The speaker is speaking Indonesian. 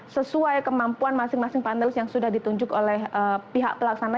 sesuai kemampuan masing masing panelis yang sudah ditunjuk oleh pihak pelaksana